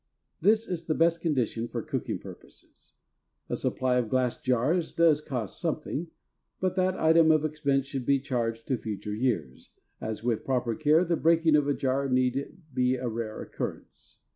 This is the best condition for cooking purposes. A supply of glass jars does cost something, but that item of expense should be charged to future years, as with proper care the breaking of a jar need be a rare occurrence.